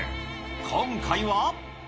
今回は。